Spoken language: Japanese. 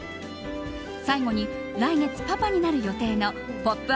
最後に、来月パパになる予定の「ポップＵＰ！」